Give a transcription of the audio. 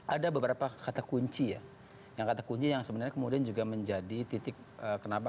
ada beberapa kata kunci ya yang kata kunci yang sebenarnya kemudian juga menjadi titik kenapa